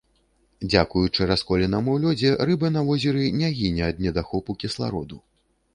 Дзякуючы расколінам у лёдзе рыба на возеры не гіне ад недахопу кіслароду.